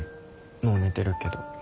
もう寝てるけど。